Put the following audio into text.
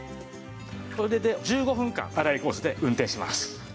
これで１５分間「洗い」コースで運転します。